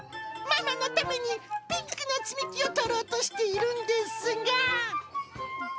ママのために、ピンクの積み木を取ろうとしているんですが。